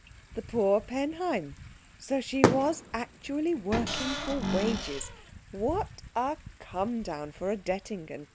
The poor Penheim. So she was actually working for wages. What a come down for a Dettingen!